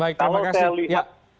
baik terima kasih